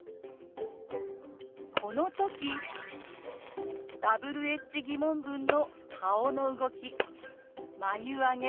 この時Ｗｈ−疑問文の顔の動き眉あげ